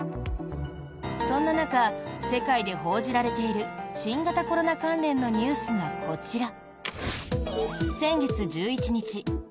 そんな中、世界で報じられている新型コロナ関連のニュースがこちら。